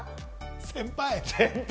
先輩？